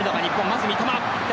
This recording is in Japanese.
まず三笘。